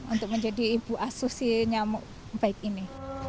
untuk menjadi ibu asuh si nyamuk baik ini